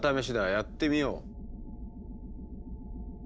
やってみよう。